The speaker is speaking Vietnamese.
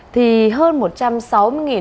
thì hơn một giờ